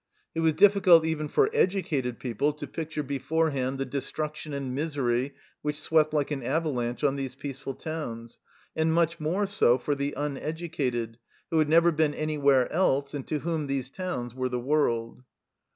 It was difficult even for educated people to picture beforehand the destruction and misery which swept like an avalanche on these peaceful towns, and much more so for the uneducated, who had never been any where else, and to whom these towns were the world.